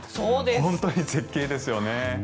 本当に絶景ですよね。